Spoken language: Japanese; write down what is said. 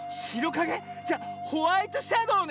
じゃホワイトシャドーね。